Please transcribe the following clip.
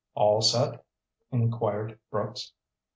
"All set?" inquired Brooks.